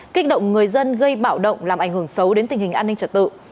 kích động người dân gây bạo động làm ảnh hưởng xấu đến tình hình an ninh trật tự